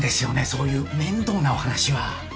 そういう面倒なお話は。